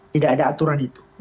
tidak ada aturan itu